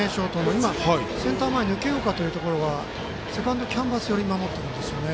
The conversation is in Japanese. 今、センター前にぬけようかというところがセカンドキャンバス寄りを守っているんです。